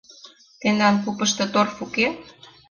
— Тендан купышто торф уке?